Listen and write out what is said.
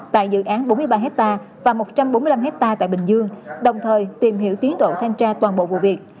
tại dự án bốn mươi ba hectare và một trăm bốn mươi năm hectare tại bình dương đồng thời tìm hiểu tiến độ thanh tra toàn bộ vụ việc